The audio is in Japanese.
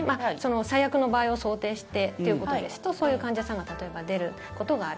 最悪の場合を想定してということですとそういう患者さんが例えば出ることがある。